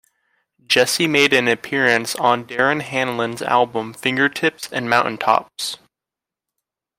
Jesse made an appearance on Darren Hanlon's album "Fingertips and Mountaintops".